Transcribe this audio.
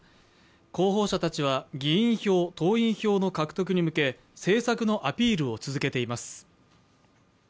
候補者たちは議員票・党員票の獲得に向け政策のアピールを続けています。